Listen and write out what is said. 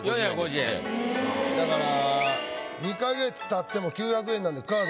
だから。